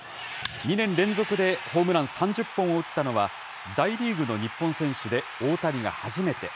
２年連続でホームラン３０本を打ったのは、大リーグの日本選手で大谷が初めて。